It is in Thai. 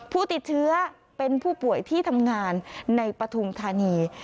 ผู้ติดเชื้อเป็นผู้ป่วยที่ทำงานในปฐุมธานี